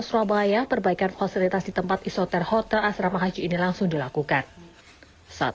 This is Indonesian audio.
surabaya perbaikan fasilitas di tempat isoter hotel asrama haji ini langsung dilakukan saat